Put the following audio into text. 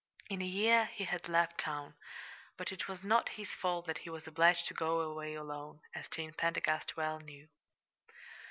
In a year he had left town but it was not his fault that he was obliged to go away alone, as Jane Pendergast well knew.